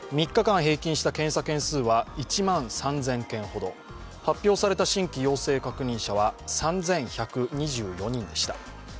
３日間平均した検査件数は１万３０００件ほど、発表された新規陽性者数は３１２４人でした。